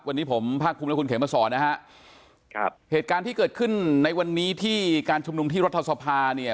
วันนี้ผมภาคภูมิและคุณเขมสอนนะฮะครับเหตุการณ์ที่เกิดขึ้นในวันนี้ที่การชุมนุมที่รัฐสภาเนี่ย